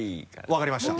分かりました。